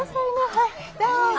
はいどうぞ。